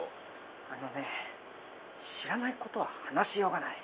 あのね知らないことは話しようがない。